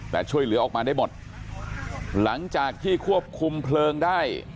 แต่ช่วยเหลือออกมาได้หมดหลังจากที่ควบคุมเพลิงได้